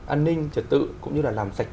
an ninh trật tự cũng như là làm sạch